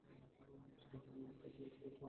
তুমি জানো না আমরা কত কিছু পারি, ইয়াকারি।